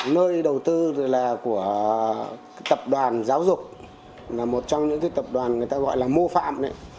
nơi đầu tư rồi là của tập đoàn giáo dục là một trong những tập đoàn người ta gọi là mô phạm